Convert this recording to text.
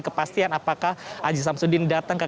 kepastian apakah aziz samsudin datang ke